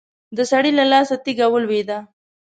د سړي له لاسه تېږه ولوېده.